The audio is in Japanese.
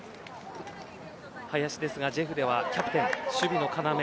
林ですがジェフではキャプテン守備の要。